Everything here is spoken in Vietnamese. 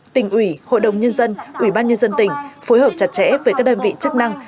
tỉnh ủy hội đồng nhân dân ủy ban nhân dân tỉnh phối hợp chặt chẽ với các đơn vị chức năng